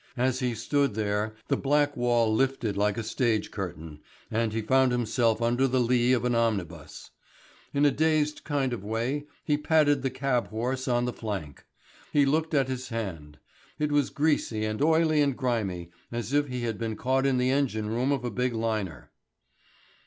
As he stood there, the black wall lifted like a stage curtain, and he found himself under the lee of an omnibus. In a dazed kind of way he patted the cabhorse on the flank. He looked at his hand. It was greasy and oily and grimy as if he had been in the engine room of a big liner.